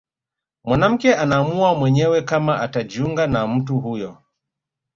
Mwanamke anaamua mwenyewe kama atajiunga na mtu huyo